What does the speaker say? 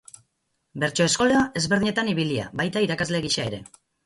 Bertso eskola ezberdinetan ibilia, baita irakasle gisa ere.